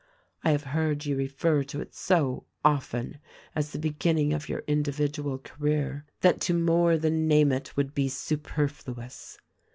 I have heard you refer to it so often as the beginning of your individual career that to more than name it would be super fluous.